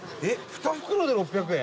２袋で６００円？